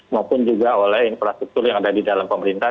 maupun juga oleh infrastruktur yang ada di dalam pemerintah